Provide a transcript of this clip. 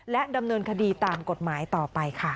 ดำเนินคดีตามกฎหมายต่อไปค่ะ